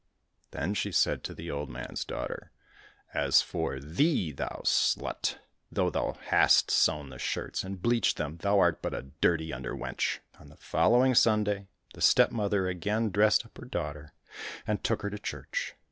Then she said to the old man's daughter, '' As for thee, thou slut ! though thou hast sewn the shirts and bleached them, thou art but a dirty under wench !" On the following Sunday the stepmother again dressed up her daughter, and took her to church.